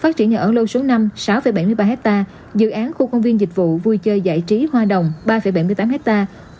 phát triển nhà ở lâu số năm sáu bảy mươi ba hectare dự án khu công viên dịch vụ vui chơi giải trí hoa đồng ba bảy mươi tám hectare